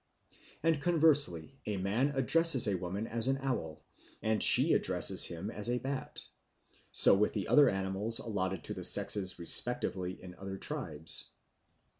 And conversely a man addresses a woman as an owl, and she addresses him as a bat. So with the other animals allotted to the sexes respectively in other tribes.